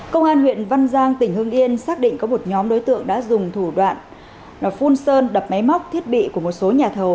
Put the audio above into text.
công an huyện văn giang tỉnh hương yên xác định có một nhóm đối tượng đã dùng thủ đoạn phun sơn đập máy móc thiết bị của một số nhà thầu